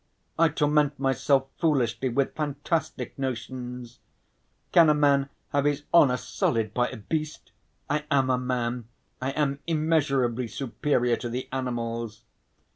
I torment myself foolishly with fantastic notions. Can a man have his honour sullied by a beast? I am a man, I am immeasurably superior to the animals.